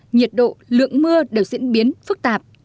nhiệt độ lượng mưa đều diễn biến phức tạp